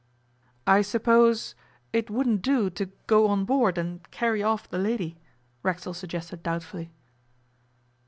'I suppose it wouldn't do to go on board and carry off the lady?' Racksole suggested doubtfully.